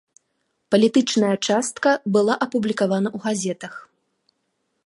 Палітычная частка была апублікавана ў газетах.